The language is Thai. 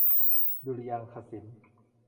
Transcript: ดุริยางคศิลป์